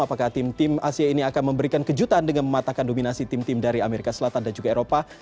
apakah tim tim asia ini akan memberikan kejutan dengan mematahkan dominasi tim tim dari amerika selatan dan juga eropa